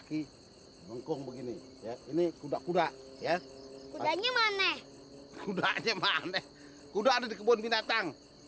kaki melengkung begini ya ini kuda kuda ya udah nyemane kuda nyemane kuda ada di kebun binatang